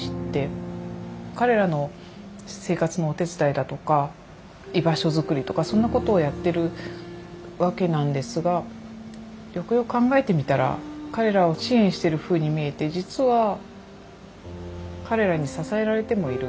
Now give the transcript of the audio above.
彼らの生活のお手伝いだとか居場所づくりとかそんなことをやってるわけなんですがよくよく考えてみたら彼らを支援してるふうに見えて実は彼らに支えられてもいる。